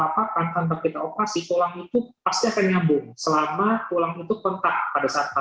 selama tulang itu pentak pada saat patah